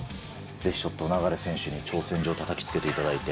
ぜひちょっと流選手に挑戦状をたたきつけていただいて。